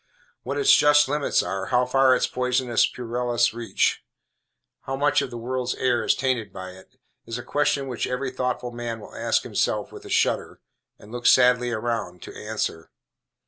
What its just limits are how far its poisonous purlieus reach how much of the world's air is tainted by it, is a question which every thoughtful man will ask himself, with a shudder, and look sadly around, to answer.